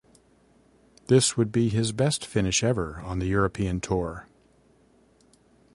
This would be his best finish ever on the European Tour.